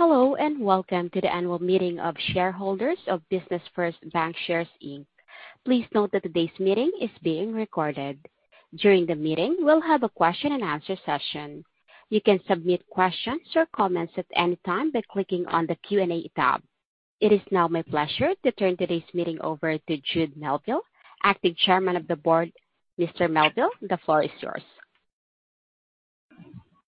Hello, and welcome to the annual meeting of shareholders of Business First Bancshares, Inc. Please note that today's meeting is being recorded. During the meeting, we'll have a question and answer session. You can submit questions or comments at any time by clicking on the Q&A tab. It is now my pleasure to turn today's meeting over to Jude Melville, Acting Chairman of the Board. Mr. Melville, the floor is yours.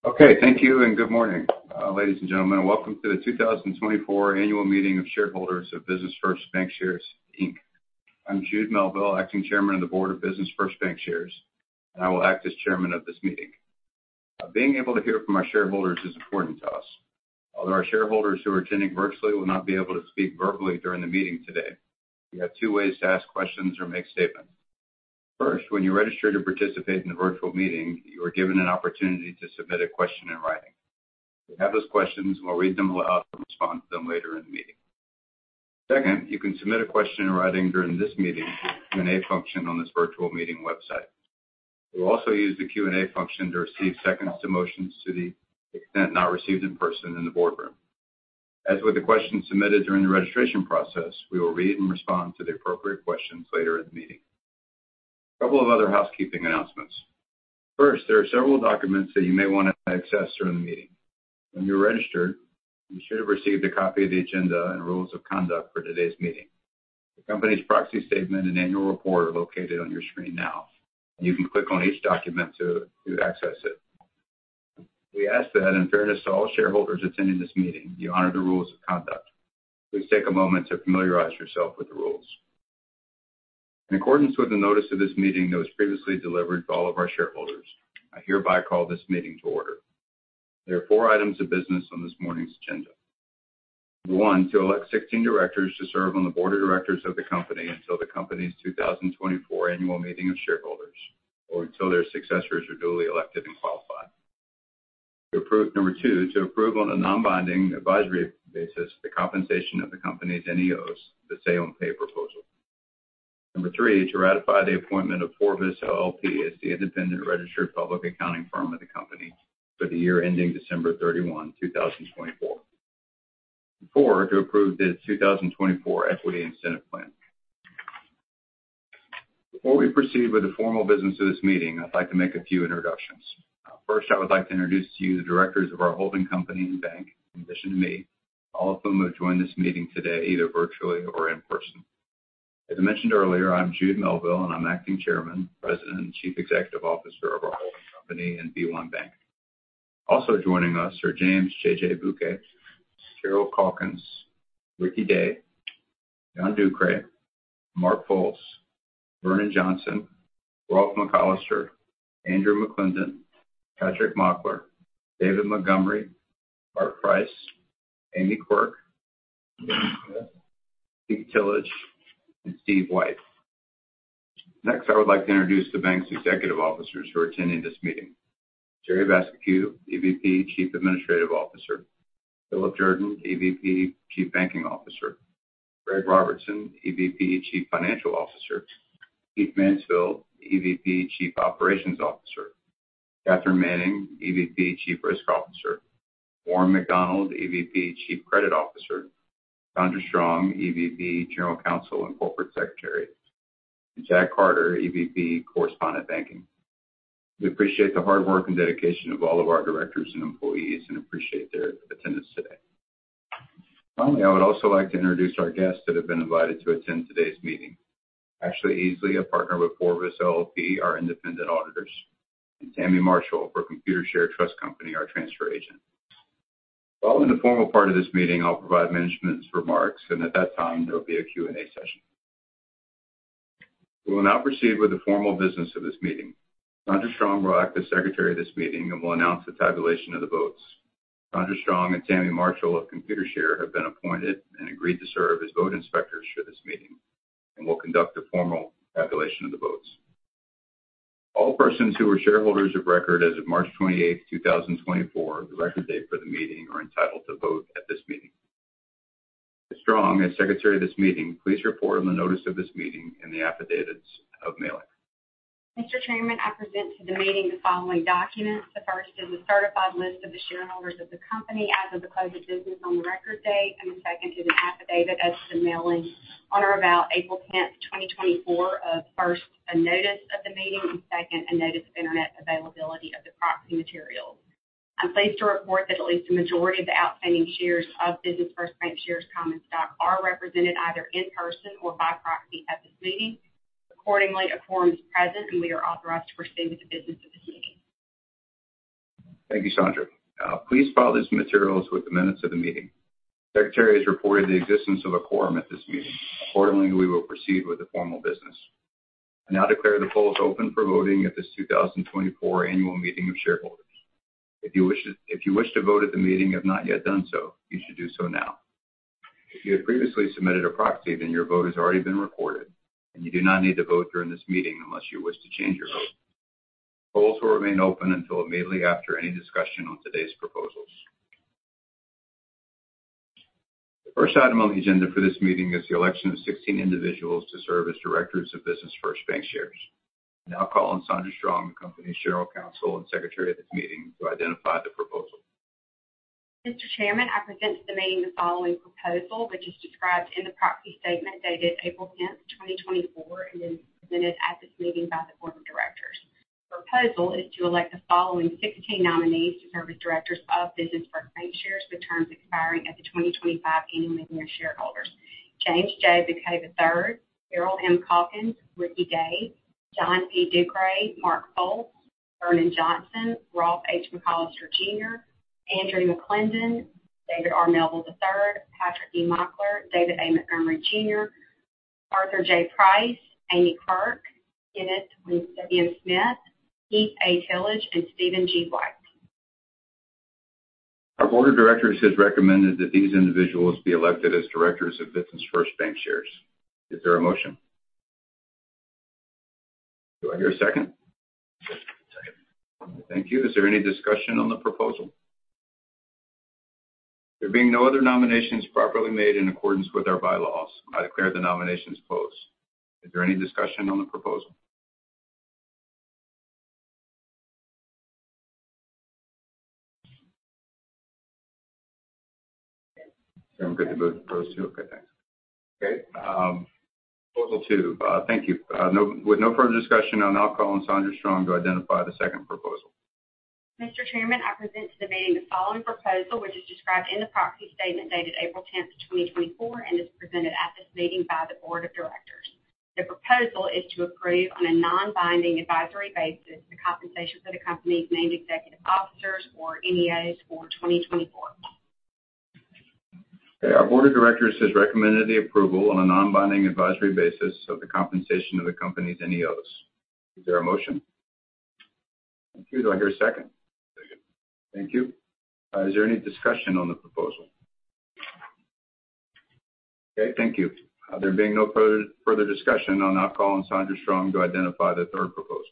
Okay, thank you, and good morning, ladies and gentlemen. Welcome to the 2024 Annual Meeting of Shareholders of Business First Bancshares, Inc. I'm Jude Melville, Acting Chairman of the Board of Business First Bancshares, and I will act as chairman of this meeting. Being able to hear from our shareholders is important to us. Although our shareholders who are attending virtually will not be able to speak verbally during the meeting today, you have two ways to ask questions or make statements. First, when you register to participate in the virtual meeting, you are given an opportunity to submit a question in writing. If we have those questions, we'll read them aloud and respond to them later in the meeting. Second, you can submit a question in writing during this meeting Q&A function on this virtual meeting website. We'll also use the Q&A function to receive seconds to motions to the extent not received in person in the boardroom. As with the questions submitted during the registration process, we will read and respond to the appropriate questions later in the meeting. A couple of other housekeeping announcements. First, there are several documents that you may want to access during the meeting. When you registered, you should have received a copy of the agenda and rules of conduct for today's meeting. The company's proxy statement and annual report are located on your screen now. You can click on each document to access it. We ask that in fairness to all shareholders attending this meeting, you honor the rules of conduct. Please take a moment to familiarize yourself with the rules. In accordance with the notice of this meeting that was previously delivered to all of our shareholders, I hereby call this meeting to order. There are four items of business on this morning's agenda. 1, to elect 16 directors to serve on the board of directors of the company until the company's 2024 annual meeting of shareholders, or until their successors are duly elected and qualified. 2, to approve on a non-binding advisory basis, the compensation of the company's NEOs, the Say on Pay proposal. 3, to ratify the appointment of FORVIS, LLP as the independent registered public accounting firm of the company for the year ending December 31, 2024. 4, to approve the 2024 Equity Incentive Plan. Before we proceed with the formal business of this meeting, I'd like to make a few introductions. First, I would like to introduce to you the directors of our holding company and bank, in addition to me, all of whom have joined this meeting today, either virtually or in person. As I mentioned earlier, I'm Jude Melville, and I'm Acting Chairman, President, and Chief Executive Officer of our holding company and b1BANK. Also joining us are James "JJ" Buquet, Carol Calkins, Ricky Day, John Ducrest, Mark Folse, Vernon Johnson, Rolfe McCollister, Andrew McClendon, Patrick Mockler, David Montgomery, Arthur Price, Aimee Quirk, Keith Tillage, and Steven White. Next, I would like to introduce the bank's executive officers who are attending this meeting. Jerry Vascocu, EVP, Chief Administrative Officer. Philip Jordan, EVP, Chief Banking Officer. Greg Robertson, EVP, Chief Financial Officer. Keith Mansfield, EVP, Chief Operations Officer. Katherine Manning, EVP, Chief Risk Officer. Warren McDonald, EVP, Chief Credit Officer. Saundra Strong, EVP, General Counsel, and Corporate Secretary, and Chad Carter, EVP, Correspondent Banking. We appreciate the hard work and dedication of all of our directors and employees and appreciate their attendance today. Finally, I would also like to introduce our guests that have been invited to attend today's meeting. Ashley Easley, a partner FORVIS, LLP, our independent auditors, and Tammy Marshall for Computershare Trust Company, our transfer agent. While in the formal part of this meeting, I'll provide management's remarks, and at that time, there will be a Q&A session. We will now proceed with the formal business of this meeting. Saundra Strong will act as secretary of this meeting and will announce the tabulation of the votes. Saundra Strong and Tammy Marshall of Computershare have been appointed and agreed to serve as vote inspectors for this meeting, and will conduct a formal tabulation of the votes. All persons who are shareholders of record as of March 28, 2024, the record date for the meeting, are entitled to vote at this meeting. Ms. Strong, as secretary of this meeting, please report on the notice of this meeting and the affidavits of mailing. Mr. Chairman, I present to the meeting the following documents. The first is a certified list of the shareholders of the company as of the close of business on the record date, and the second is an affidavit as to the mailing on or about April 10, 2024 of, first, a notice of the meeting, and second, a notice of internet availability of the proxy materials. I'm pleased to report that at least a majority of the outstanding shares of Business First Bancshares common stock are represented either in person or by proxy at this meeting. Accordingly, a quorum is present, and we are authorized to proceed with the business of this meeting. Thank you, Saundra. Please file these materials with the minutes of the meeting. Secretary has reported the existence of a quorum at this meeting. Accordingly, we will proceed with the formal business. I now declare the polls open for voting at this 2024 annual meeting of shareholders. If you wish to, if you wish to vote at the meeting, have not yet done so, you should do so now. If you had previously submitted a proxy, then your vote has already been recorded, and you do not need to vote during this meeting unless you wish to change your vote. Polls will remain open until immediately after any discussion on today's proposals. The first item on the agenda for this meeting is the election of 16 individuals to serve as directors of Business First Bancshares. I'll now call on Saundra Strong, the company's General Counsel and secretary of this meeting, to identify the proposal. Mr. Chairman, I present to the meeting the following proposal, which is described in the proxy statement dated April 10, 2024, and is presented at this meeting by the board of directors. The proposal is to elect the following 16 nominees to serve as directors of Business First Bancshares, with terms expiring at the 2025 annual meeting of shareholders: James J. Buquet III, Carol Calkins, Ricky Day, John P. Ducrest, Mark Folse, Vernon Johnson, Rolfe H. McCollister Jr., Andrew McClendon, David R. Melville III, Patrick E. Mockler, David R. Montgomery, Arthur J. Price, Aimee Quirk, Kenneth W. Smith, Keith A. Tillage, and Steven G. White. Our board of directors has recommended that these individuals be elected as directors of Business First Bancshares. Is there a motion? Do I hear a second? Second. Thank you. Is there any discussion on the proposal? There being no other nominations properly made in accordance with our bylaws, I declare the nominations closed. Is there any discussion on the proposal? I'm good to move those two. Okay, thanks. Okay, proposal two, thank you. With no further discussion, I'll now call on Saundra Strong to identify the second proposal. Mr. Chairman, I present to the meeting the following proposal, which is described in the proxy statement dated April 10, 2024, and is presented at this meeting by the board of directors. The proposal is to approve, on a non-binding advisory basis, the compensations of the company's named executive officers, or NEOs, for 2024. Okay. Our board of directors has recommended the approval on a non-binding advisory basis of the compensation of the company's NEOs. Is there a motion? Thank you. Do I hear a second? Second. Thank you. Is there any discussion on the proposal? Okay, thank you. There being no further discussion, I'll now call on Saundra Strong to identify the third proposal.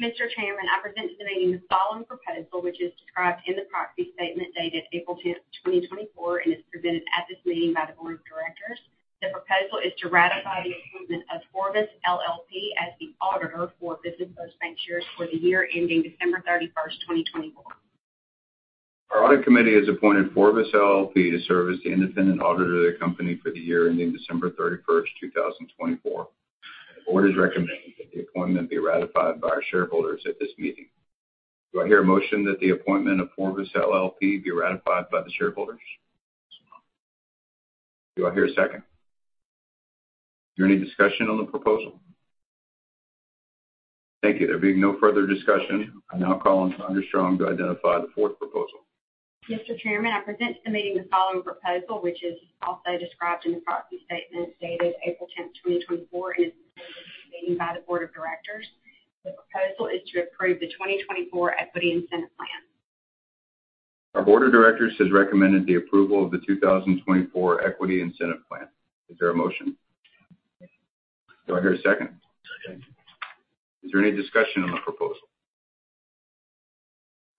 Mr. Chairman, I present to the meeting the following proposal, which is described in the proxy statement dated April 10, 2024, and is presented at this meeting by the board of directors. The proposal is to ratify the appointment of FORVIS, LLP as the auditor for Business First Bancshares for the year ending December 31, 2024. Our audit committee has appointed FORVIS, LLP to serve as the independent auditor of the company for the year ending December 31, 2024. The board is recommending that the appointment be ratified by our shareholders at this meeting. Do I hear a motion that the appointment of FORVIS, LLP be ratified by the shareholders? Do I hear a second? Is there any discussion on the proposal? Thank you. There being no further discussion, I now call on Saundra Strong to identify the fourth proposal. Mr. Chairman, I present to the meeting the following proposal, which is also described in the proxy statement dated April 10, 2024, and is presented by the board of directors. The proposal is to approve the 2024 equity incentive plan. Our board of directors has recommended the approval of the 2024 Equity Incentive Plan. Is there a motion? Do I hear a second? Second. Is there any discussion on the proposal?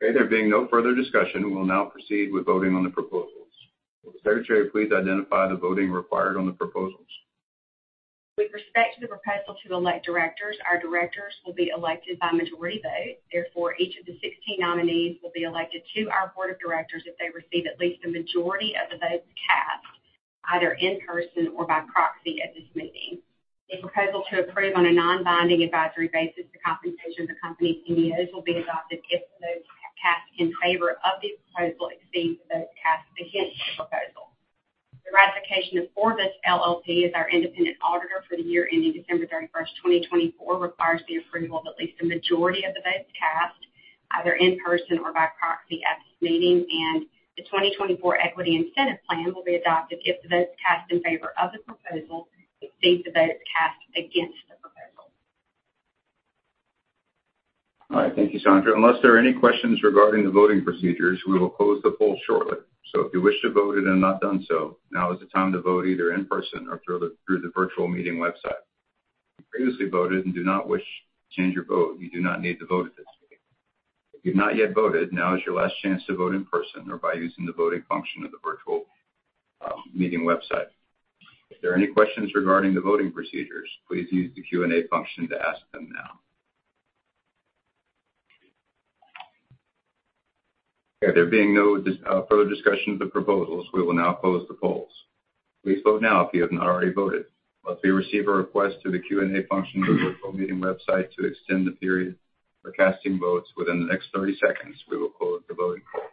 Okay, there being no further discussion, we will now proceed with voting on the proposals. Will the secretary please identify the voting required on the proposals? With respect to the proposal to elect directors, our directors will be elected by majority vote. Therefore, each of the 16 nominees will be elected to our board of directors if they receive at least a majority of the votes cast, either in person or by proxy, at this meeting. The proposal to approve on a non-binding advisory basis, the compensation of the company's NEOs, will be adopted if the votes cast in favor of the proposal exceeds the votes cast against the proposal. The ratification of FORVIS, LLP as our independent auditor for the year ending December 31, 2024, requires the approval of at least a majority of the votes cast, either in person or by proxy, at this meeting. The 2024 equity incentive plan will be adopted if the votes cast in favor of the proposal exceeds the votes cast against the proposal. All right. Thank you, Saundra. Unless there are any questions regarding the voting procedures, we will close the poll shortly. So if you wish to vote and have not done so, now is the time to vote either in person or through the, through the virtual meeting website. If you previously voted and do not wish to change your vote, you do not need to vote at this meeting. If you've not yet voted, now is your last chance to vote in person or by using the voting function of the virtual meeting website. If there are any questions regarding the voting procedures, please use the Q&A function to ask them now. Okay, there being no further discussion of the proposals, we will now close the polls. Please vote now if you have not already voted. Unless we receive a request through the Q&A function or the virtual meeting website to extend the period for casting votes within the next 30 seconds, we will close the voting polls.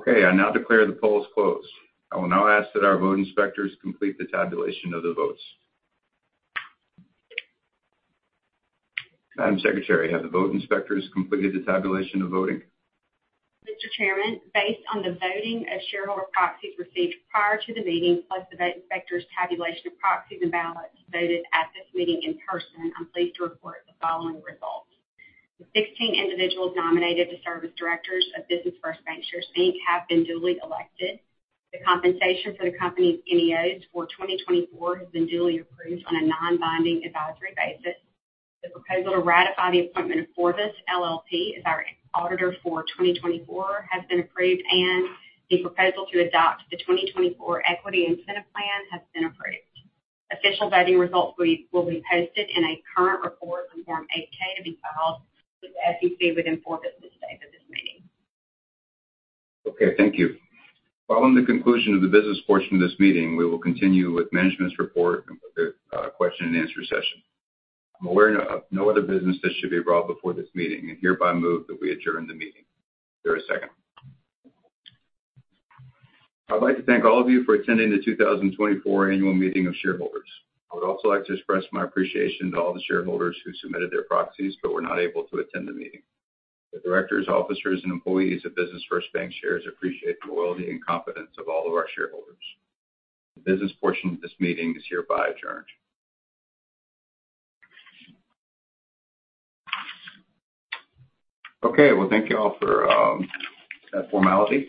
Okay, I now declare the polls closed. I will now ask that our vote inspectors complete the tabulation of the votes. Madam Secretary, have the vote inspectors completed the tabulation of the votes? Mr. Chairman, based on the voting of shareholder proxies received prior to the meeting, plus the vote inspectors' tabulation of proxies and ballots voted at this meeting in person, I'm pleased to report the following results. The 16 individuals nominated to serve as directors of Business First Bancshares, Inc., have been duly elected. The compensation for the company's NEOs for 2024 has been duly approved on a non-binding advisory basis. The proposal to ratify the appointment of FORVIS, LLP as our auditor for 2024 has been approved, and the proposal to adopt the 2024 equity incentive plan has been approved. Official voting results will be posted in a current report on Form 8-K to be filed with the SEC within four business days of this meeting. Okay, thank you. Following the conclusion of the business portion of this meeting, we will continue with management's report and the question and answer session. I'm aware of no other business that should be brought before this meeting and hereby move that we adjourn the meeting. Is there a second? I'd like to thank all of you for attending the 2024 annual meeting of shareholders. I would also like to express my appreciation to all the shareholders who submitted their proxies but were not able to attend the meeting. The directors, officers, and employees of Business First Bancshares appreciate the loyalty and confidence of all of our shareholders. The business portion of this meeting is hereby adjourned. Okay, well, thank you all for that formality.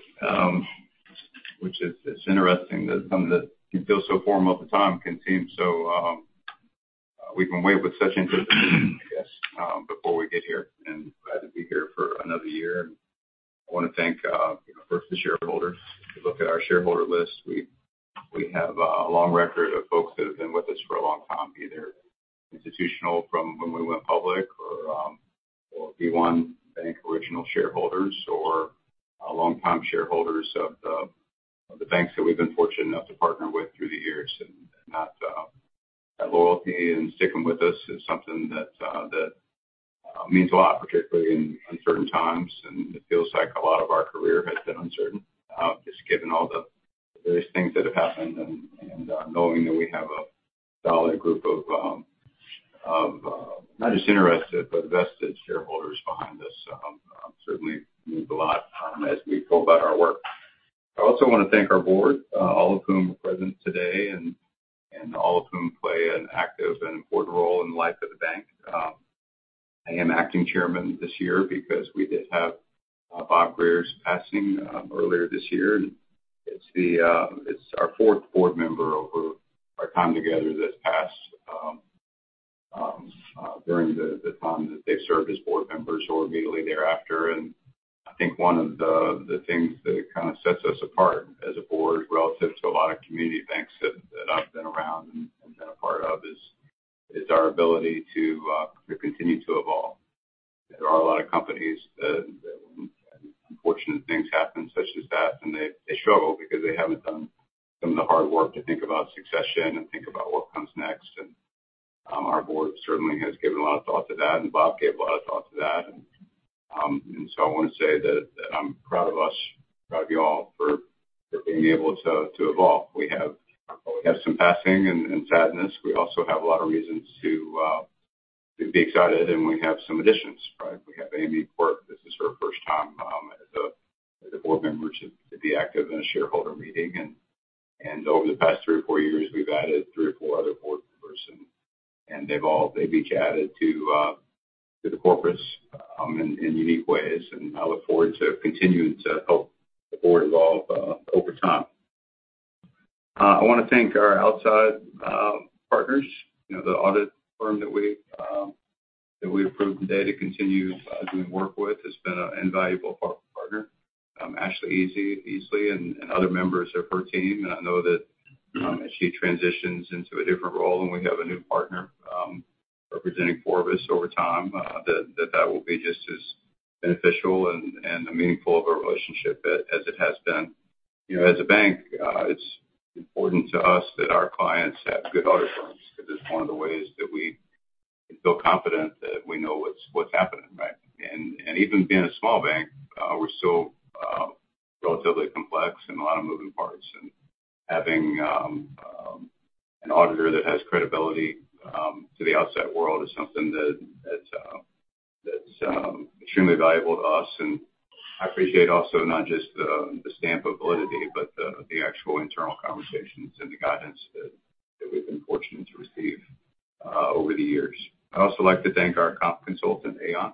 Which is, it's interesting that something that can feel so formal at the time can seem so, we've been weighed with such anticipation, I guess, before we get here, and glad to be here for another year. I want to thank, you know, first the shareholders. If you look at our shareholder list, we, we have a long record of folks that have been with us for a long time, either institutional from when we went public or, or b1BANK original shareholders, or long-time shareholders of the, the banks that we've been fortunate enough to partner with through the years. And that, that loyalty and sticking with us is something that, that, means a lot, particularly in uncertain times. It feels like a lot of our career has been uncertain, just given all the various things that have happened, and knowing that we have a solid group of, not just interested, but vested shareholders behind us, certainly means a lot, as we go about our work. I also want to thank our board, all of whom are present today and all of whom play an active and important role in the life of the bank. I am Acting Chairman this year because we did have Bob Greer's passing earlier this year. It's our fourth board member over our time together that's passed during the time that they've served as board members or immediately thereafter. I think one of the things that kind of sets us apart as a board relative to a lot of community banks that I've been around and been a part of is our ability to continue to evolve. There are a lot of companies that when unfortunate things happen, such as that, and they struggle because they haven't done some of the hard work to think about succession and think about what comes next. Our board certainly has given a lot of thought to that, and Bob gave a lot of thought to that. So I want to say that I'm proud of us, proud of you all for being able to evolve. We have some passing and sadness. We also have a lot of reasons to be excited, and we have some additions, right? We have Aimee Quirk. This is her first time as a board member to be active in a shareholder meeting. Over the past three or four years, we've added three or four other board members, and they've each added to the corporates in unique ways. I look forward to continuing to help the board evolve over time. I want to thank our outside partners. You know, the audit firm that we approved today to continue doing work with has been an invaluable partner. Ashley Easley and other members of her team. I know that, as she transitions into a different role and we have a new partner, representing Forvis over time, that will be just as beneficial and a meaningful of a relationship as it has been. You know, as a bank, it's important to us that our clients have good audit firms, because it's one of the ways that we feel confident that we know what's happening, right? Even being a small bank, we're still relatively complex and a lot of moving parts. Having an auditor that has credibility to the outside world is something that that's extremely valuable to us. I appreciate also not just the stamp of validity, but the actual internal conversations and the guidance that we've been fortunate to receive over the years. I'd also like to thank our comp consultant, Aon.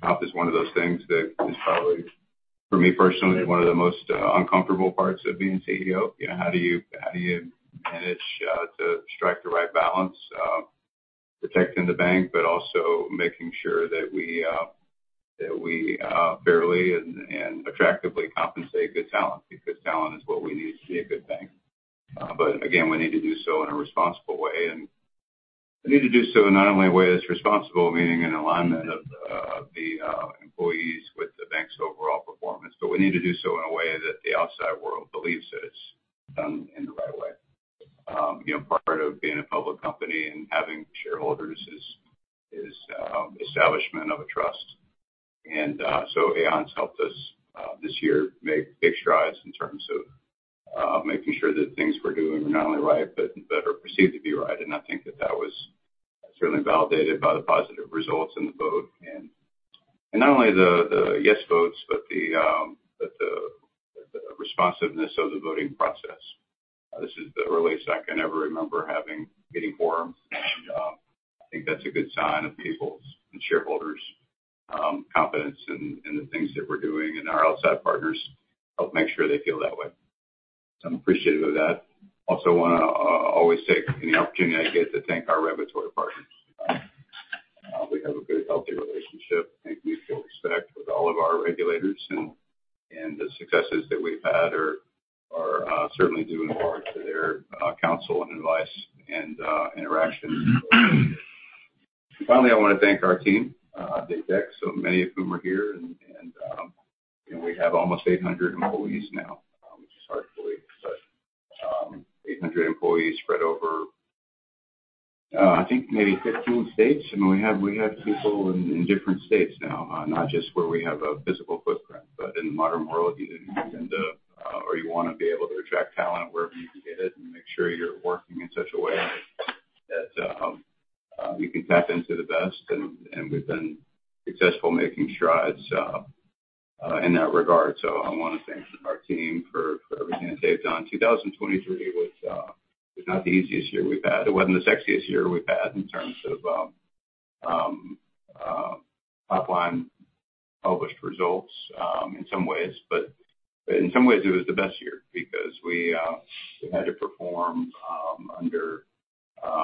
Comp is one of those things that is probably, for me personally, one of the most uncomfortable parts of being CEO. You know, how do you manage to strike the right balance of protecting the bank, but also making sure that we fairly and attractively compensate good talent? Because talent is what we need to see a good bank. But again, we need to do so in a responsible way. We need to do so not only in a way that's responsible, meaning in alignment of the employees with the bank's overall performance, but we need to do so in a way that the outside world believes that it's done in the right way. You know, part of being a public company and having shareholders is establishment of a trust. So Aon helped us this year make big strides in terms of making sure that things we're doing are not only right, but that are perceived to be right. And I think that that was certainly validated by the positive results in the vote. Not only the yes votes, but the responsiveness of the voting process. This is the earliest I can ever remember having a quorum, and, I think that's a good sign of people's and shareholders', confidence in, in the things that we're doing, and our outside partners help make sure they feel that way. I'm appreciative of that. Also wanna, always take any opportunity I get to thank our regulatory partners. We have a good, healthy relationship, I think mutual respect with all of our regulators, and, and the successes that we've had are, are, certainly due in large to their, counsel and advice and, interaction. And finally, I wanna thank our team, at Deck. So many of whom are here, and, and, you know, we have almost 800 employees now, which is hard to believe. But, 800 employees spread over, I think maybe 15 states. And we have people in different states now, not just where we have a physical footprint. But in the modern world, you need to end up. Or you wanna be able to attract talent wherever you can get it, and make sure you're working in such a way that you can tap into the best. And we've been successful making strides in that regard. So I wanna thank our team for everything that they've done. 2023 was not the easiest year we've had. It wasn't the sexiest year we've had in terms of top-line published results in some ways. But in some ways, it was the best year because we had to perform under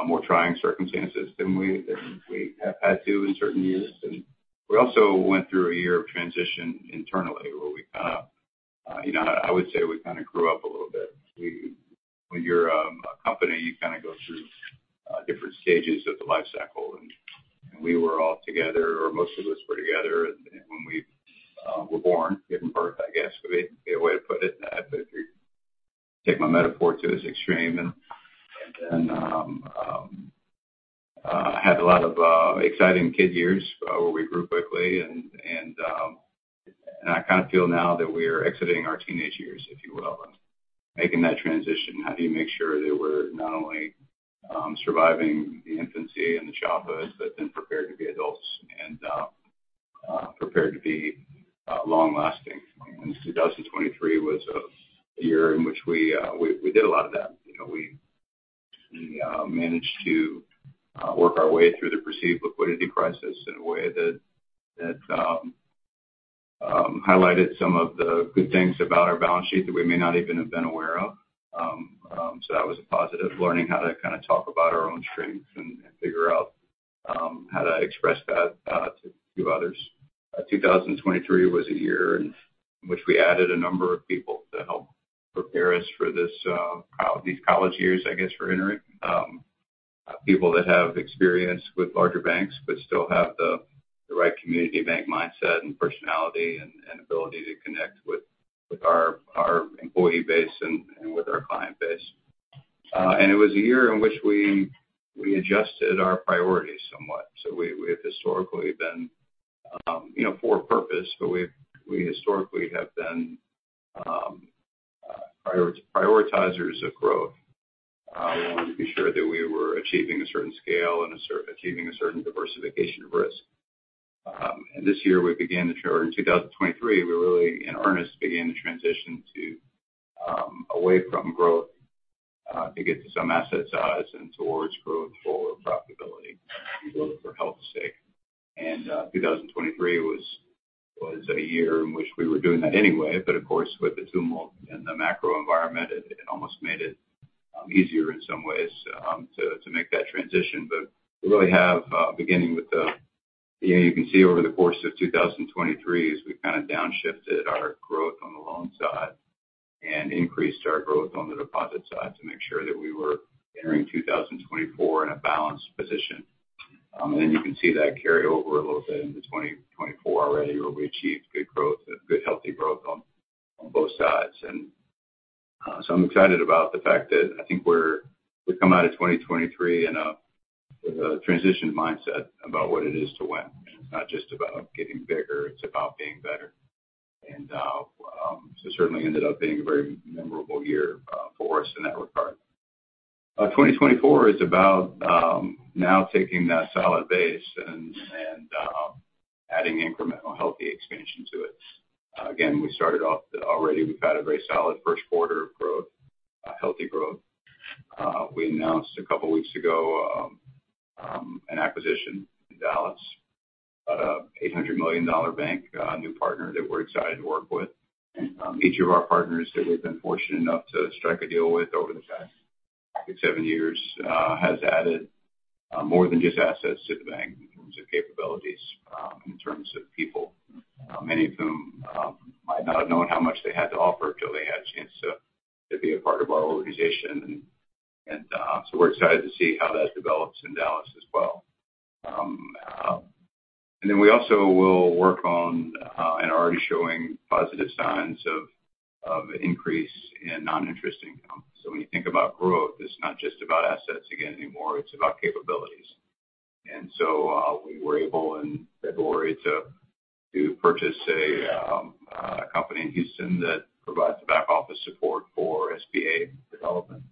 more trying circumstances than we have had to in certain years. And we also went through a year of transition internally, where we kind of, you know, I would say we kind of grew up a little bit. When you're a company, you kind of go through different stages of the life cycle, and we were all together, or most of us were together when we were born. Given birth, I guess, would be a way to put it, if you take my metaphor to its extreme. And had a lot of exciting kid years, where we grew quickly, and I kind of feel now that we're exiting our teenage years, if you will, making that transition. How do you make sure that we're not only surviving the infancy and the childhood, but then prepared to be adults and prepared to be long-lasting? 2023 was a year in which we did a lot of that. You know, we managed to work our way through the perceived liquidity crisis in a way that highlighted some of the good things about our balance sheet that we may not even have been aware of. So that was a positive, learning how to kind of talk about our own strengths and figure out how to express that to others. 2023 was a year in which we added a number of people to help prepare us for this these college years, I guess, we're entering. People that have experience with larger banks, but still have the right community bank mindset and personality, and an ability to connect with our employee base and with our client base. And it was a year in which we adjusted our priorities somewhat. So we've historically been, you know, for a purpose, but we historically have been prioritizers of growth. We wanted to be sure that we were achieving a certain scale and achieving a certain diversification of risk. And this year, we began to turn. In 2023, we really, in earnest, began to transition to away from growth to get to some asset size and towards growth for profitability, for health's sake. And, 2023 was a year in which we were doing that anyway, but of course, with the tumult and the macro environment, it almost made it easier in some ways to make that transition. But we really have, beginning with the... You know, you can see over the course of 2023, as we've kind of downshifted our growth on the loan side, and increased our growth on the deposit side, to make sure that we were entering 2024 in a balanced position. And then you can see that carry over a little bit into 2024 already, where we achieved good growth and good, healthy growth on both sides. And, so I'm excited about the fact that I think we're, we're coming out of 2023 in a, with a transition mindset about what it is to win. And it's not just about getting bigger, it's about being better. And, so certainly ended up being a very memorable year, for us in that regard. 2024 is about, now taking that solid base and, and, adding incremental healthy expansion to it. Again, we started off, already we've had a very solid first quarter of growth, a healthy growth. We announced a couple of weeks ago, an acquisition in Dallas, $800 million bank, a new partner that we're excited to work with. And each of our partners that we've been fortunate enough to strike a deal with over the past six-seven years has added more than just assets to the bank, in terms of capabilities, in terms of people, many of whom might not have known how much they had to offer until they had a chance to be a part of our organization. And so we're excited to see how that develops in Dallas as well. And then we also will work on and are already showing positive signs of an increase in non-interest income. So when you think about growth, it's not just about assets again anymore, it's about capabilities. And so we were able, in February, to purchase a company in Houston that provides back office support for SBA development.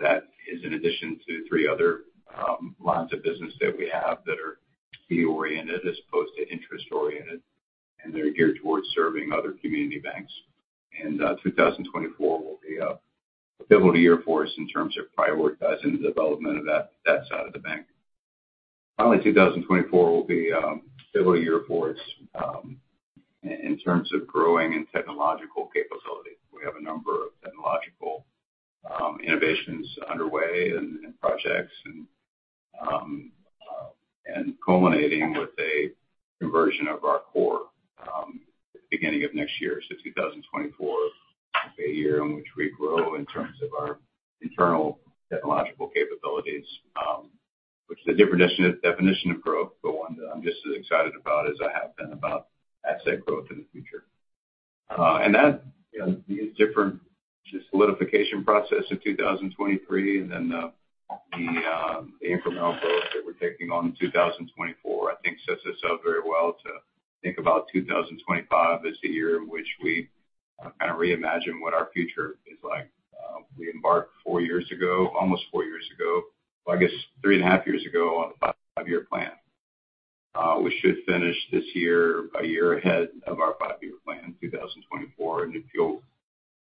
That is in addition to three other lines of business that we have that are fee-oriented as opposed to interest-oriented, and they're geared towards serving other community banks. 2024 will be a pivotal year for us in terms of prioritizing the development of that side of the bank. Finally, 2024 will be a pivotal year for us in terms of growing in technological capability. We have a number of technological innovations underway and projects and culminating with a conversion of our core beginning of next year. So 2024 is a year in which we grow in terms of our internal technological capabilities, which is a different definition of growth, but one that I'm just as excited about as I have been about asset growth in the future. And that, you know, different solidification process in 2023, and then the incremental growth that we're taking on in 2024, I think sets us up very well to think about 2025 as the year in which we kind of reimagine what our future is like. We embarked four years ago, almost four years ago, I guess three and a half years ago, on a five-year plan. We should finish this year, a year ahead of our five-year plan in 2024. If you'll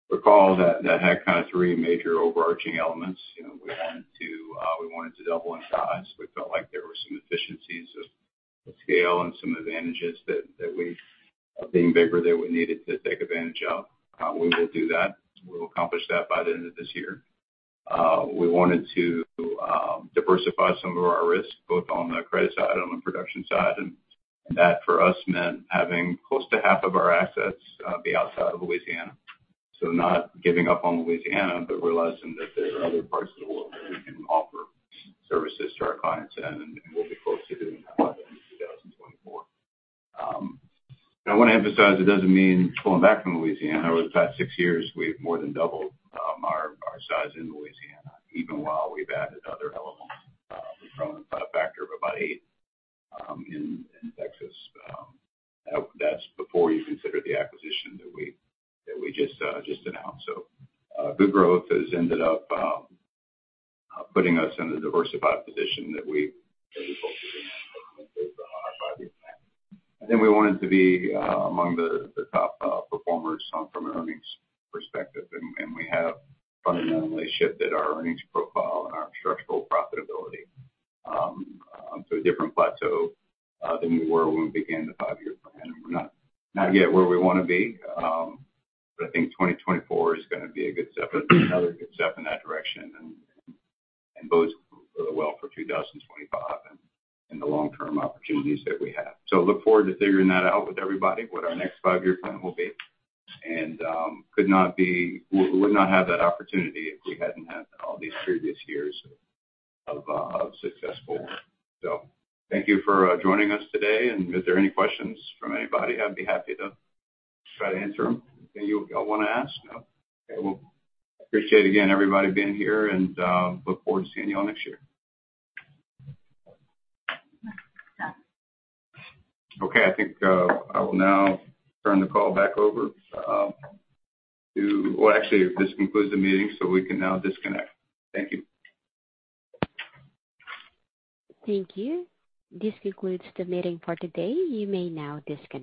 recall, that had kind of three major overarching elements. You know, we wanted to, we wanted to double in size. We felt like there were some efficiencies of scale and some advantages that we being bigger, that we needed to take advantage of. We will do that. We'll accomplish that by the end of this year. We wanted to diversify some of our risks, both on the credit side and on the production side, and that, for us, meant having close to half of our assets be outside of Louisiana. So not giving up on Louisiana, but realizing that there are other parts of the world where we can offer services to our clients, and we'll be close to doing that by 2024. I want to emphasize it doesn't mean pulling back from Louisiana. Over the past six years, we've more than doubled our size in Louisiana, even while we've added other elements. We've grown by a factor of about eight in Texas. That's before you consider the acquisition that we just announced. So, good growth has ended up putting us in the diversified position that we focused on our five-year plan. And then we wanted to be among the top performers from an earnings perspective, and we have fundamentally shifted our earnings profile and our structural profitability onto a different plateau than we were when we began the five-year plan. We're not, not yet where we want to be, but I think 2024 is going to be a good step, another good step in that direction, and bodes really well for 2025 and the long-term opportunities that we have. So look forward to figuring that out with everybody, what our next five-year plan will be. We would not have that opportunity if we hadn't had all these previous years of successful... So thank you for joining us today, and if there are any questions from anybody, I'd be happy to try to answer them. Anything you all want to ask? No. Okay. Well, appreciate, again, everybody being here, and look forward to seeing you all next year. Okay, I think I will now turn the call back over to... Well, actually, this concludes the meeting, so we can now disconnect. Thank you. Thank you. This concludes the meeting for today. You may now disconnect.